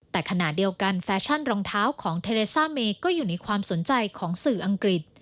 แต่ขณะเดียวกันแฟชั่นรองเท้าของเทเลซ่าเมย์ก็อยู่ในความสนใจของสื่ออังกฤษ